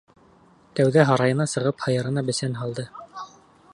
Тәүҙә һарайына сығып һыйырына бесән һалды.